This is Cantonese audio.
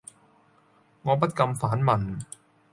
我不禁反問